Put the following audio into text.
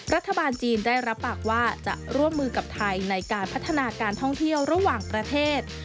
รัฐบาลจีนได้รับปากว่าจะร่วมมือกับไทยในการพัฒนาการท่องเที่ยวระหว่างประเทศ